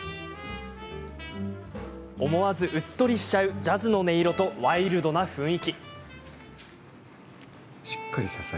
思わず、うっとりしちゃうジャズの音色とワイルドな雰囲気。